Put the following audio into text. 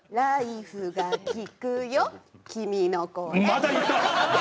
また言った！